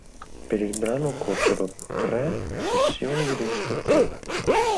Per il brano occorsero tre sessioni di registrazione.